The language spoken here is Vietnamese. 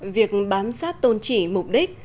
việc bám sát tôn trị mục đích